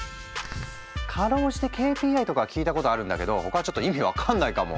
かろうじてＫＰＩとかは聞いたことあるんだけど他はちょっと意味分かんないかも。